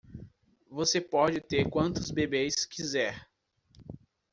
Você pode ter quantos bebês quiser.